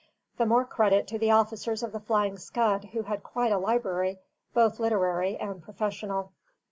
The more credit to the officers of the Flying Scud, who had quite a library, both literary and professional.